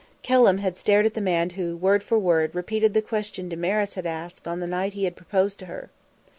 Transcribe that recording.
Kelham stared at the man who, word for word, repeated, the question Damaris had asked on the night he had proposed to her.